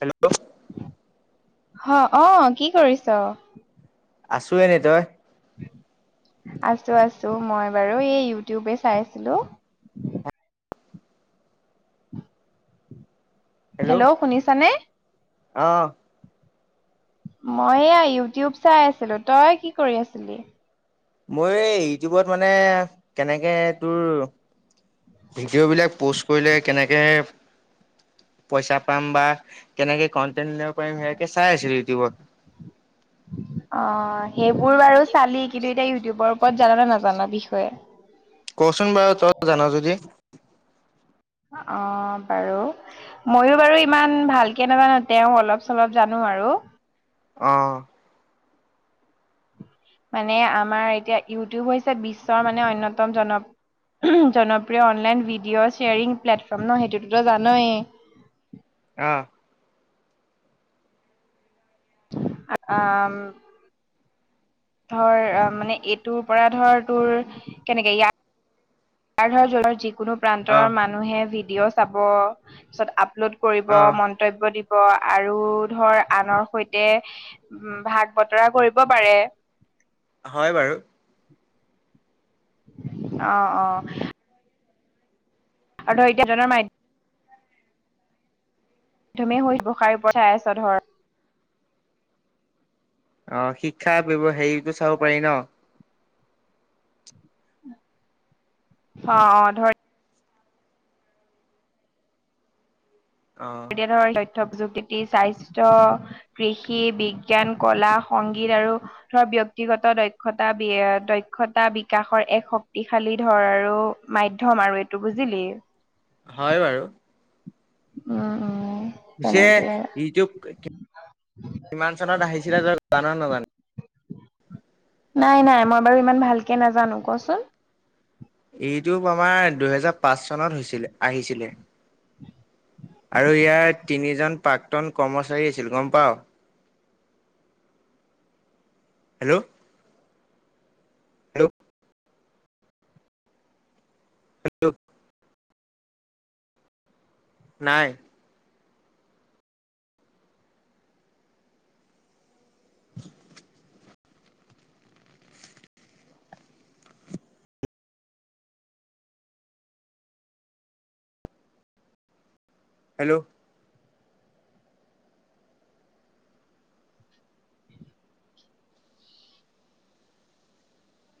Hello? অ', কি কৰিছ? আছো এনে, তই? আছো আছো, মই বাৰু এই ইউটিউবে চাই আছিলো। হেল্ল' শুনিছানে? অ'। মই এয়া ইউটিউব চাই আছিলো, তই কি কৰি আছিলি? মইও এই ইউটিউবত মানে কেনেকে তোৰ ভিডিঅ'বিলাক পোষ্ট কৰিলে কেনেকে পইচা পাম বা কেনেকে কণ্টেন্ট উলিয়াব পাৰিম, সেয়াকে চাই আছিলো ইউটিউবত। অ', সেইবোৰ বাৰু চালি, কিন্তু এতিয়া ইউটিউবৰ ওপৰত জান নে নাজান বিষয়ে? ক'চোন বাৰু তই জান যদি? অ', বাৰু। ময়ো বাৰু ইমান ভালকে নাজানো, তেওঁ অলপ-চলপ জানো আৰু। অ'। মানে আমাৰ এতিয়া ইউটিউব হৈছে বিশ্বৰ মানে অন্যতম জন জনপ্ৰিয় অনলাইন ভিডিঅ' শ্বেয়াৰিং প্লেটফৰ্ম ন', সেইটোটো তই জানই! অ'। উম। ধৰ, অ', মানে এইটোৰ পৰা ধৰ তোৰ কেনেকে ইয় ইয়াৰ ধৰ যিকোনো অ প্ৰান্তৰ মানুহে ভিডিঅ' চাব, পিছত আপলোড কৰিব, অ মন্তব্য দিব, আৰু ধৰ আনৰ সৈতে উম, ভাগ বতৰা কৰিব পাৰে। হয়, বাৰু। অ', অ'। আৰু ধৰ এতিয়া [unintelligible] [unintelligible] অ', শিক্ষা হেৰিটো চাব পাৰি ন'? অ', অ', ধৰ অ এতিয়া ধৰ তথ্য প্ৰযুক্তি, স্বাস্থ্য কৃষি, বিজ্ঞান, ক'লা, সংগীত, আৰু ধৰ ব্য্য়ক্তিগত দক্ষতা বি দক্ষতা বিকাশৰ এক শক্তিশালী ধৰ, আৰু মাধ্যম আৰু এইটো বুজিলি? হয়, বাৰু। উম, উম। পিছে তেনেকে ইউটিউব [inaudible] কিমান চনত আহিছিলে তই জান নে নাজান? নাই, নাই, মই বাৰু ইমান ভালকে নাজানো কচোন? ইউটিউব আমাৰ দুহেজাৰ পাঁচ চনত হৈছিলে, আহিছিলে। আৰু ইয়াৰ তিনিজন প্ৰাক্তন কৰ্মচাৰী আছিল গম পাও? হেল্ল' হেল্ল' হেল্ল' নাই। [inaudible] হেল্ল'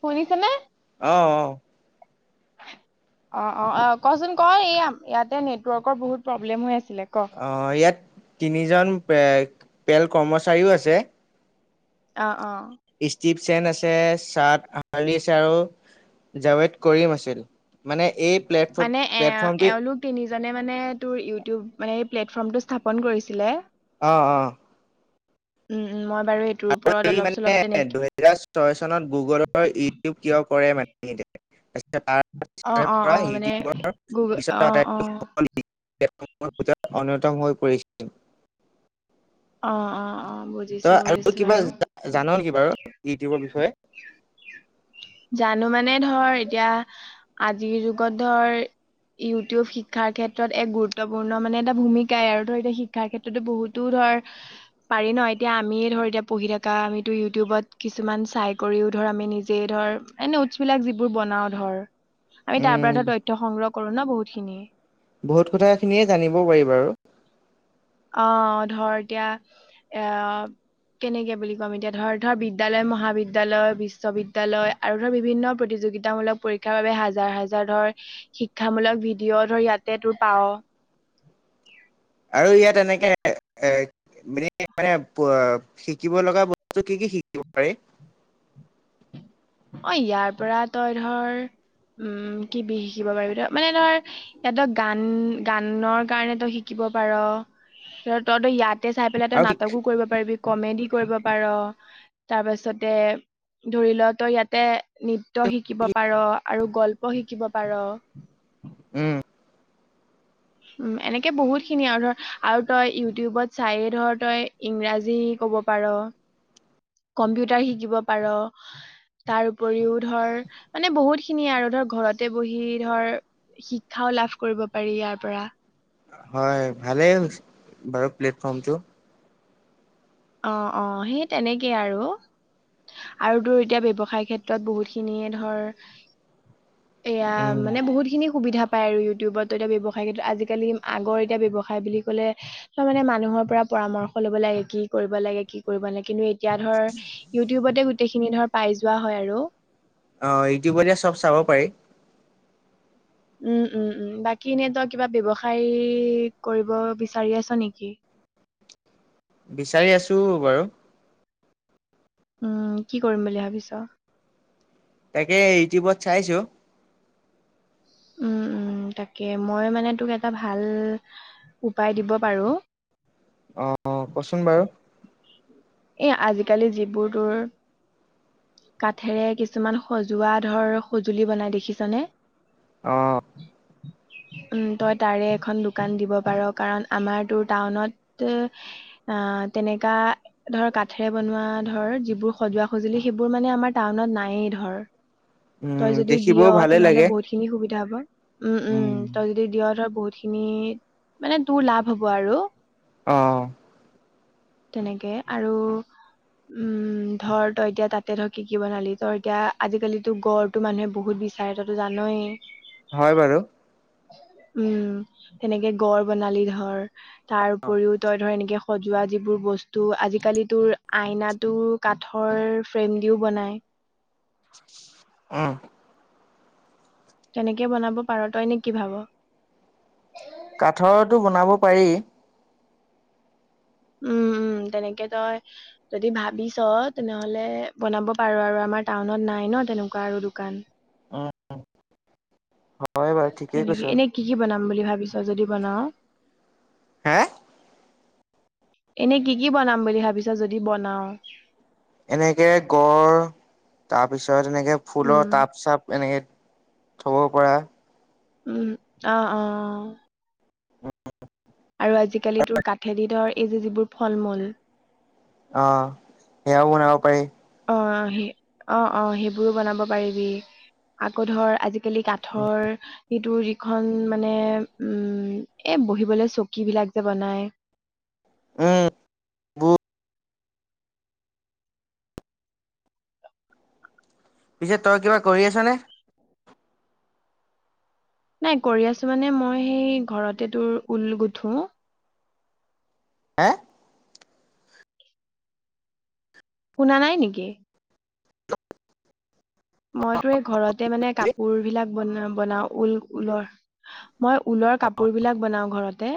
শুনিছে নে? অ'অ'অ' অ'অ'অ' কচোন ক'এইয়া ইয়াতে নেটৱৰ্কৰ বহুত প্ৰব্লেম হৈ আছিলে ক'? অ' ইয়াত তিনিজন পে-পেল কৰ্মচাৰীও আছে। অ'অ'। ষ্টিভ চেন আছে, চাৰ্ট [unintelligible] আৰু জাৱেদ কৰিম আছিল, মানে এই প্লেটফ- মানে এ প্লেটফৰ্মটোৱে এওঁলোক তিনিজনে মানে তোৰ ইউটিউব মানে এই প্লেটফৰ্ম টো স্থাপন কৰিছিলে। অ'অ' উম, উম, মই বাৰু এইট আৰু এই মানে দুহেজাৰ ছয় চনত গুগলৰ ইউটিউব কিয় কৰে মান অ', অ', অ', মানে [unintelligible] গুগল অ', অ', [unintelligible] পূজাত অন্যতম হৈ পৰিছিল। অ' অ' অ' বুজ তই আৰু কিবা জান নেকি বাৰু ইউটিউবৰ বিষয়ে? [inaudible] জানো মানে ধৰ এতিয়া আজিৰ যুগত ধৰ ইউটিউব শিক্ষাৰ ক্ষেত্ৰত এক গুৰুত্বপূৰ্ণ মানে এটা ভূমিকাই আৰু ধৰ এতিয়া শিক্ষাৰ ক্ষেত্ৰতো বহুতো ধৰ পাৰি ন' এতিয়া আমিয়ে ধৰ এতিয়া পঢ়ি থকা আমিতো ইউটিউবত কিছুমান চাই কৰিও ধৰ আমি নিজে ধৰ এ, নতজ বিলাক যিবোৰ বনাওঁ ধৰ। আমি তাৰ উম পৰা ধৰ তথ্য সংগ্ৰহ কৰো ন' বহুত খিনি। বহুত কথা খিনিয়ে জানিব পাৰিবা আৰু। অ' ধৰ এতিয়া [unintelligible] কেনেকে বুলি ক'ম এতিয়া ধৰ, ধৰ বিদ্যালয় মহাবিদ্যালয়, বিশ্ববিদ্যালয় আৰু ধৰ বিভিন্ন প্ৰতিযোগিতা মূলক পৰীক্ষা বাবে হাজাৰ, হাজাৰ ধৰ শিক্ষা মূলক ভিডিঅ' ধৰ ইয়াতে তোৰ পাওঁ। আৰু ইয়াত এনেকে-এ মানে-মানে পোৱা শিকিব লগা বস্তু কি, কি শিকিব পাৰি? অ' ইয়াৰ পৰা তই ধৰ উম, কিবি শিকিব পাৰিবি তই, মানে ধৰ ইয়াত তই গান-গানৰ কাৰণে তই শিকিব পাৰ ধৰ তইটো ইয়াত তে চাই পেলাই তই আৰু নাটকো কৰিব পাৰিবি। কমেডি কৰিব পাৰ তাৰ পাছতে ধৰি ল' তই ইয়াতে নৃত্য শিকিব পাৰ আৰু গল্প শিকিব পাৰ। উম, উম এনেকে বহুত খিনি আৰু ধৰ আৰু তই ইউটিউবত চাইে ধৰ তই ইংৰাজী ক'ব পাৰো। [inaudible] কম্পিউটাৰ শিকিব পাৰো। তাৰ উপৰিও ধৰ মানে বহুত খিনি আৰু ধৰ ঘৰতে বহি ধৰ শিক্ষাও লাভ কৰিব পাৰি ইয়াৰ পৰা। হয় ভালে হৈছে বাৰু প্লেটফৰ্মটো। অ অ সেই তেনেকে আৰু। আৰু তোৰ এতিয়া ব্যৱসায় ক্ষেত্ৰত বহুত খিনিয়ে ধৰ এয়া উম মানে বহুত খিনি সুবিধা পায় আৰু ইউটিউবত এতিয়া ব্যৱসায় কিন্তু আজিকালি আগৰ এতিয়া ব্যৱসায় বুলি ক'লে ত মানে মানুহৰ পৰামৰ্শ ল'ব লাগে কি কৰিব লাগে, কি কৰিব লাগে কিন্তু এতিয়া ধৰ ইউটিউবতে গোটেখিনি ধৰ পাই হোৱা হৈ আৰু। অ ইউটিউবতে চব চাব পাৰি। উম উম উম বাকী এনে তই কিবা ব্যৱসায় কৰিব বিচাৰি আছো নেকি। বিচাৰি আছো বাৰু। উম কি কৰিম বুলি ভাবিছোঁ? তাকে ইউটিউবত চাইছো। উম উম তাকে মই মানে তোক এটা ভাল শিকাই দিব পাৰো। অ অ কচোন বাৰু। এই আজিকালি যিবোৰ তোৰ কাঠেৰে কিছুমান সজোৱা ধৰ সজুলি বনাই দেখিছো নে? অ। উম তই তাৰে এখন দোকান দিব পাৰ কাৰণ আমাৰ তোৰ টাউনত অ তেনেকা ধৰ কাঠেৰে বনোৱা ধৰ যিবোৰ সজোৱা সজুলি সেইবোৰ বোৰ মানে আমাৰ টাউনত নাই ধৰ। উম তই যদি দেখিবও দিওঁ ভালে তেনেহ'লে লাগে বহুতখিনি সুবিধা হ'ব, উম উম তই যদি দিওঁ ধৰ বহুতখিনি, মানে তোৰ লাভ হ'ব আৰু। অ'। তেনেকে আৰু উম ধৰ তই এতিয়া তাত তে ধৰ কি কি বনালি, তই এতিয়া আজিকালিতো গড়তো মানুহে বহুত বিচাৰে তইতো জানয়ে। হয় বাৰু। উম তেনেকে গড় বনালি ধৰ, তাৰ উপৰিও তই ধৰ এনেকে সজোৱা যিবোৰ বস্তু আজিকালি তোৰ আইনা তো কাঠৰ ফ্ৰেম দিও বনায়, উম। তেনেকে বনাব পাৰো, তই নে কি ভাব? কাঠৰটো বনাব পাৰি। উম উম তেনেকে তই যদি ভাবিছ তেনেহ'লে বনাব পাৰো আৰু আমাৰ টাউনত নাই ন তেনেকুৱা আৰু দোকান। হয় বাৰু তেনেকে কৈছোঁ। এনে কি কি বনাম‌ বুলি ভাবিছ যদি বনাওঁ? হে? এনে কি কি বনাম বুলি ভাবিছা যদি বনাওঁ? এনেকে গড় তাৰপিছত এনেকে ফুলৰ উম তাপ চাপ এনেকে - থ'ব পৰা। উম অঁ অঁ। আৰু আজিকালি তোৰ কাঠেদি ধৰ এই যে যিবোৰ ফল মূল - অ, সেয়াও বনাব পাৰি। অ, সেই অ অ সেইবোৰো বনাব পাৰিবি। আকৌ ধৰ আজিকালি কাঠৰ - সিটোৰ যিখন মানে উম এ বহিবলে চকী বিলাক যে বনাই - উম, ব পিছে তই কিবা কৰি আছ নে? নাই কৰি আছো মানে মই সেই ঘৰতে তোৰ উল গুঠোঁ। হে? শুনা নাই নেকি? মই তোৰ সেই ঘৰতে মানে কাপোৰ বিলাক ব বনাও উল উলৰ। মই ঊলৰ কাপোৰ বিলাক বনাও ঘৰতে।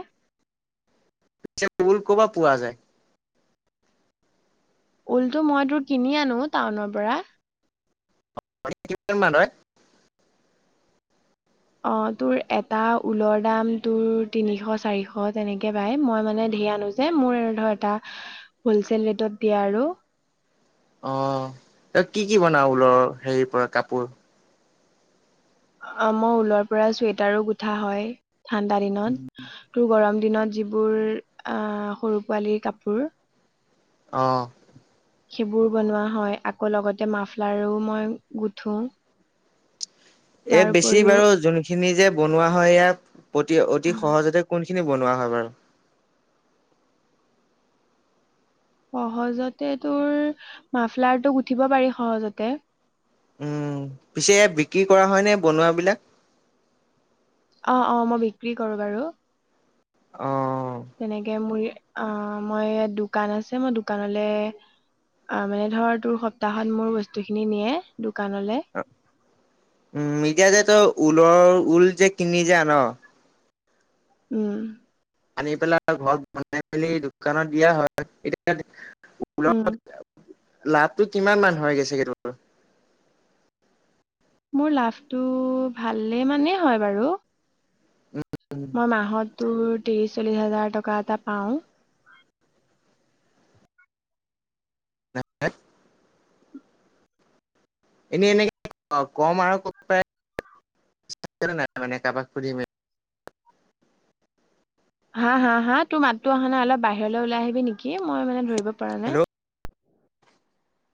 এতিয়া উল কপা পোৱা যায়? উলটো মই তোৰ কিনি আনো টাউনৰ পৰা। মানে কিমান মান হয়? অ, তোৰ এটা উলৰ দাম তোৰ তিনিশ চাৰিশ তেনেকে পাই মই মানে ধেই আনো - যে মোৰ ধৰ এটা হলচেল ৰেটত দিয়ে আৰু। অ, ত‌ই কি কি বনাও ঊলৰ হেৰি পৰা কাপোৰ? অ, মই ঊলৰ পৰা চুৱেটাৰো গুঠা হয় ঠাণ্ডা দিনত। তোৰ গৰম দিনত যিবোৰ আঁ সৰু পোৱালীৰ কাপোৰ। অ। সেইবোৰ বনোৱা হয় আকৌ লগতে মাফলাৰো মই গুঠো। এ বেছি বাৰু যোনখিনি যে বনোৱা হয় ইয়াত প্ৰতি অতি সহজতে কোন - খিনি বনোৱা হয় বাৰু? সহজতে তোৰ মাফলাৰ টো গুঠিব পাৰি সহজতে। উম, পিছে বিক্ৰী কৰা হয় নে বনোৱা বিলাক? অ অ মই বিক্ৰী কৰো বাৰু। অঁ। তেনেকে মোৰ অ মই দোকান আছে মই দোকানলে - অ মানে ধৰ তোৰ সপ্তাহত মোৰ বস্তু খিনি নিয়ে দোকানলে। উম, এতিয়া যে তই উলৰ উল যে কিনি যে আন - উম। আনি পেলাই ঘৰত বনাই মেলি দোকানত দিয়া হয়। এতিয়া - উম। লাভটো কিমান মান হয় গৈছেগে তোৰ? মোৰ লাভটো ভালে মানে হয় বাৰু। মই মাহত তোৰ ত্ৰিশ চল্লিশ হাজাৰ টকা এটা পাও। [unintelligible] এনেই এনেকে [unintelligible] কেলে নাই মানে কাবাক সুধি মে হা হা হা তোৰ মাতটো অহা নাই অলপ বাহিৰলৈ ওলাই আহিবি নেকি, মই মানে ধৰিব পৰা নাই। [unintelligible]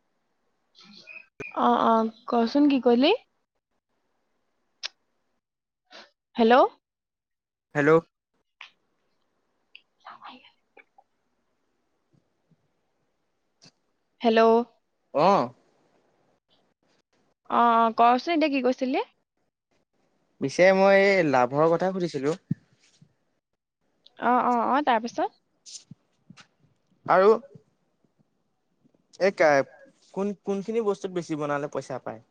অ, অ, কচোন কি কৰিলি? হেল্ল', হেল্ল', [inaudible] হেল্ল', অ', অ, অ, কচোন এতিয়া কি কৈছিলি? পিছে মই এই লাভৰ কথা সুধিছিলো? অ, অ, অ, তাৰ পিছত। আৰু এই কা কোন-কোনখিনি বস্তুত বেছি বনালে পইচা পায়?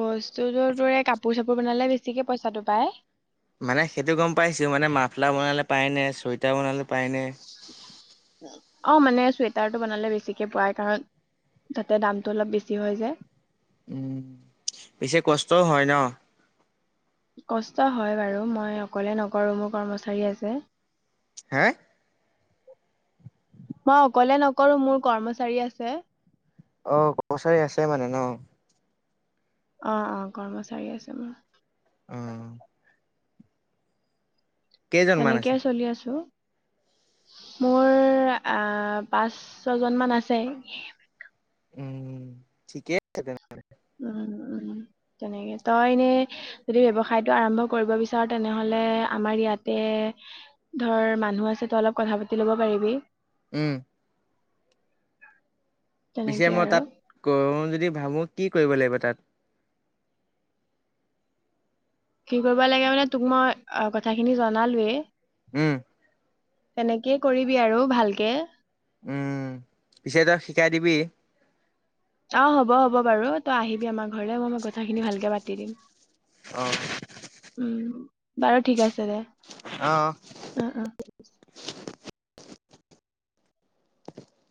বস্তুটো তোৰ কাপোৰ-চাপোৰ বনালে বেছিকে পইচাটো পায়। মানে সেইটো গম পাইছো। মানে মাফলা বনালে পায় নে? চুৱেটাৰ বনালে পায় নে? [inaudible] অ, মানে চুৱেটাৰটো বনালে বেছিকে পাই। কাৰণ তাতে দামতটো অলপ বেছি হৈযে। উম, পিছে কষ্টও হয় ন? কষ্ট হয় বাৰু। মই অকলে নকৰো মোৰ কৰ্মচাৰী আছে। হে? মই অকলে নকৰো মোৰ কৰ্মচাৰী আছে। অ, কৰচাৰী আছে মানে ন? অ, অ, কৰ্মচাৰী আছে মোৰ। উম। কেইজনমান আছে তেনেকেই চলি আছো। মোৰ পাঁচ, ছজন মান আছে। উম, ঠিকে। [inaudible] উম, উম, তেনেকে। তই এনে যদি ব্যৱসায়টো আৰম্ভ কৰিব বিচৰা। তেনেহলে আমাৰ ইয়াতে ধৰ মানুহ আছে তই অলপ কথা পাতি ল'ব পাৰিবি। উম। পিছে তেনেকে মই আৰু তাত কৰো যদি ভাবোঁ কি কৰিব লাগিব তাত? কি কৰিব লাগে মানে, তোক মই অ, কথাখিনি জনালোৱেই। উম। তেনেকেই কৰিবি আৰু ভালকে। উম, পিছে তই শিকাই দিবি? অ, হ'ব, হ'ব বাৰু। তই আহিবি আমাৰ ঘৰলৈ মই কথাখিনি ভালকে পাতি দিম। অ উম, বাৰু ঠিক আছে দে। অ, অ, অ,